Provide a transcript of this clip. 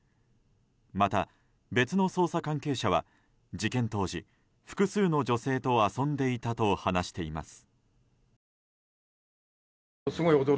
また別の捜査関係者は事件当時複数の女性と遊んでいたと話しています。